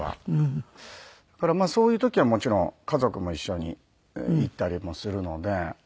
だからそういう時はもちろん家族も一緒に行ったりもするので。